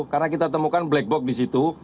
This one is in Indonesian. karena kita temukan black box di situ